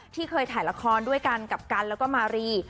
ที่เคยถ่ายละครด้วยกันกับกันแล้วก็มารี